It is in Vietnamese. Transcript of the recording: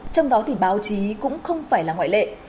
trong đó thì báo chí cũng không phải là ngoại lệ